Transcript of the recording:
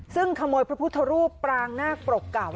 ซึ่งขโมยพระพุทธรูปปรางนาคปรกเก่า